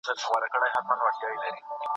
یووالی د کامیابۍ یوازینی راز دی.